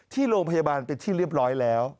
ที่โรงพยาบาลเป็นที่เรียบร้อยแล้ว